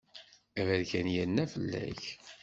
Aberkan yerna fell-ak.